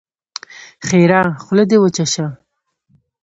ښېرا: خوله دې وچه شه!